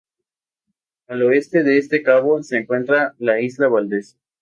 Al oeste de este cabo se encuentra la isla Valdez.